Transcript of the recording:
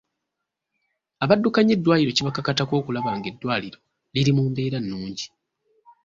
Abaddukanya eddwaliro kibakakatako okulaba ng'eddwaliro liri mu mbeera nnungi.